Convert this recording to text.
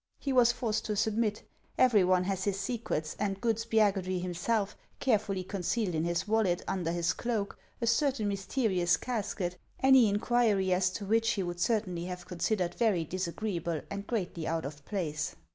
He was forced to submit ; every one has his secrets, and good Spiagudry himself carefully concealed in his wallet, under his cloak, a certain mysterious casket, any inquiry as to which he would cer tainly have considered very disagreeable and greatly out of place.